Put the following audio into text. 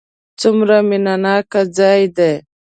څومره مینه ناک ځای دی.